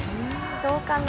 どうかな？